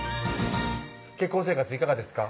結婚生活いかがですか？